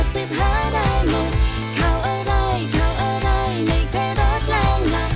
ติดเกาะอะไรเปล่า